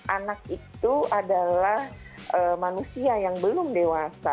anak itu adalah manusia yang belum dewasa